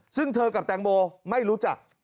ซึ่งเธอกับแตงโมไม่รู้จัก